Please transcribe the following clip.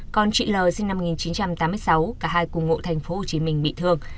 con chị l sinh năm một nghìn chín trăm tám mươi sáu cả hai cùng ngộ thành phố hồ chí minh bị thương